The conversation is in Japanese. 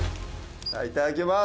いただきます！